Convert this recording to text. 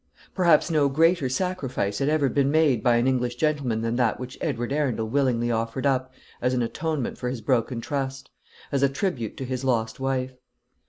Perhaps no greater sacrifice had ever been made by an English gentleman than that which Edward Arundel willingly offered up as an atonement for his broken trust, as a tribute to his lost wife.